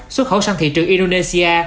xuất khẩu sang thị trường indonesia